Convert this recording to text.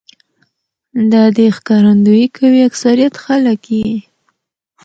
دا دې ښکارنديي کوي اکثريت خلک يې